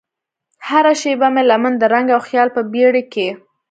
هره شیبه مې لمن د رنګ او خیال په بیړۍ کې